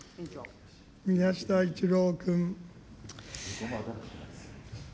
宮下一郎君。